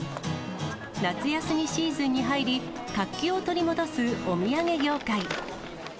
夏休みシーズンに入り、活気を取り戻すお土産業界。